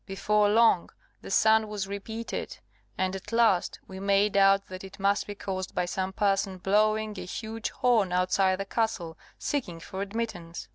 Before long the sound was repeated; and at last we made out that it must be caused by some person blowing a huge horn outside the castle, seeking for admittance.